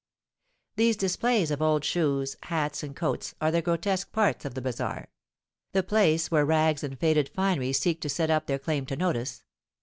These displays of old shoes, hats, and coats are the grotesque parts of the bazar, the place where rags and faded finery seek to set up their claim to notice.